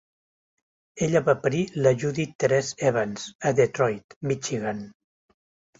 Ella va parir la Judith Therese Evans a Detroit, Michigan.